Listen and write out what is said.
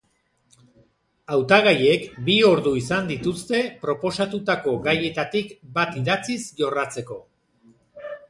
Hautagaiek bi ordu izan dituzte proposatutako gaietatik bat idatziz jorratzeko.